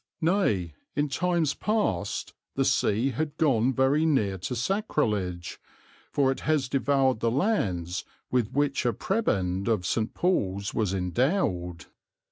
Nay, in times past, the sea had gone very near to sacrilege, for it has devoured the lands with which a prebend of St. Paul's was endowed.